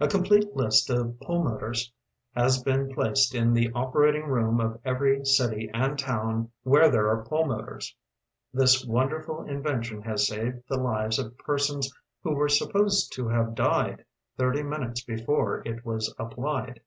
“A complete list of pulmotors has been placed in tbe operating room of every city and town where there are pulmotors. This wonderful Invention has aaved the lives of persons who were supposed U) have died thirty minutes before It was ap plied.